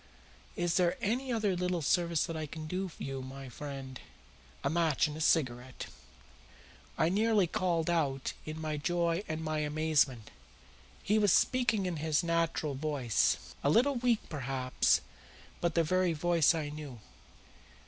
"Is there any other little service that I can do you, my friend?" "A match and a cigarette." I nearly called out in my joy and my amazement. He was speaking in his natural voice a little weak, perhaps, but the very voice I knew.